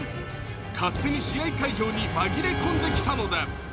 勝手に試合会場に紛れ込んできたのだ。